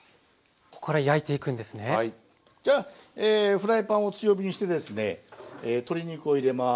じゃあフライパンを強火にしてですね鶏肉を入れます。